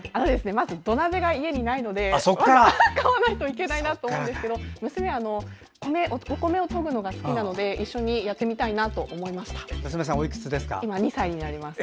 まず、土鍋が家にないので買わないといけないなと思うんですけど、娘はお米をとぐのが好きなので一緒にやってみたいと思いました。